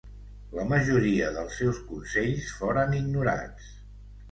La majoria dels seus consells foren ignorats.